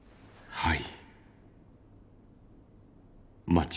はい。